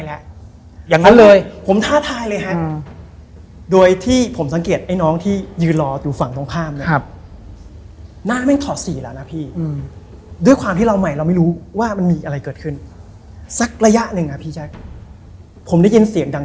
แล้วก็ที่เซอร์ไพรส์ผมที่สุดคือ